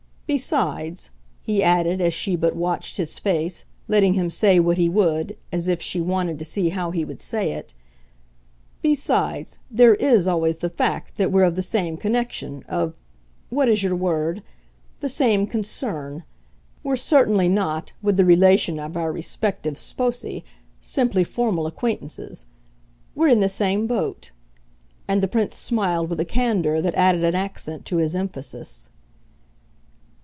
Besides," he added as she but watched his face, letting him say what he would, as if she wanted to see how he would say it, "besides, there IS always the fact that we're of the same connection, of what is your word? the same 'concern.' We're certainly not, with the relation of our respective sposi, simply formal acquaintances. We're in the same boat" and the Prince smiled with a candour that added an accent to his emphasis.